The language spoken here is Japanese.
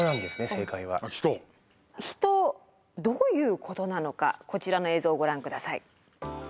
どういうことなのかこちらの映像をご覧ください。